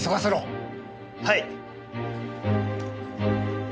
はい。